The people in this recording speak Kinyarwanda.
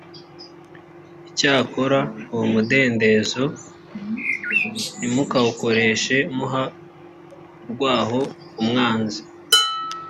icyakora uwo mudendezo ntimukawukoreshe muha urwaho umwanzi